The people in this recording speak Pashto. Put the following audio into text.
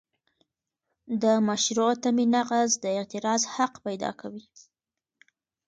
د مشروع تمې نقض د اعتراض حق پیدا کوي.